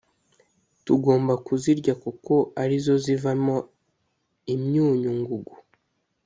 tugomba kuzirya kuko ari zo zivamo imyunyu ngugu